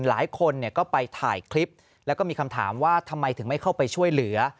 หลายคนเนี่ยก็ไปถ่ายคลิปแล้วก็มีคำถามว่าทำไมถึงไม่เข้าไปช่วยเหลือ